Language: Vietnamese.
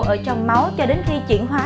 ở trong máu cho đến khi chuyển hóa